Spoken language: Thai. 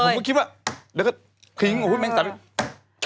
ไม่คิดว่าแล้วก็พิ้งออกไว้แม่งสาป